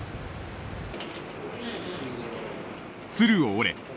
「鶴を折れ」。